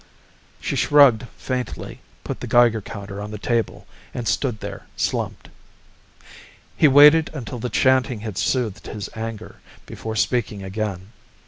She shrugged faintly, put the Geiger counter on the table, and stood there slumped. He waited until the chanting had soothed his anger, before speaking again.